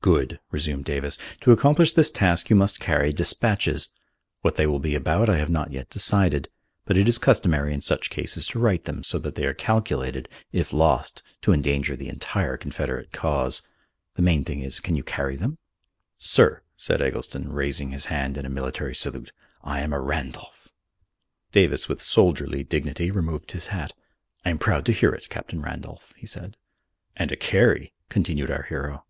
"Good!" resumed Davis. "To accomplish this task you must carry despatches. What they will be about I have not yet decided. But it is customary in such cases to write them so that they are calculated, if lost, to endanger the entire Confederate cause. The main thing is, can you carry them?" "Sir," said Eggleston, raising his hand in a military salute, "I am a Randolph." Davis with soldierly dignity removed his hat. "I am proud to hear it, Captain Randolph," he said. "And a Carey," continued our hero.